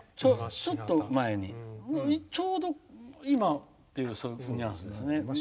ちょっと前に、ちょうど今っていうニュアンスですね。